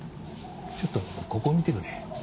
ちょっとここ見てくれ。